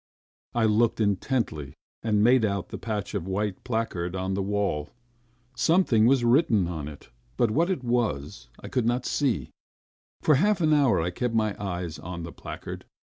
I looked intently and made out of the patch a white placard on the wall. Something was written on it, but what it was, I could not see. .. For half an hour I kept my eyes on the placard.